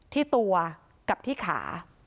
ที่ตัวกับที่ขา